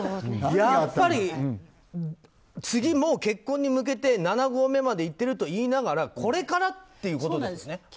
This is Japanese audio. やっぱり次もう結婚に向けて７合目に向けていってるといいながらこれからっていうことなんですね。